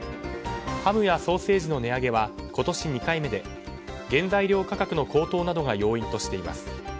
ハムやソーセージの値上げは今年２回目で原材料価格の高騰などが要因としています。